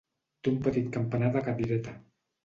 Té un petit campanar de cadireta.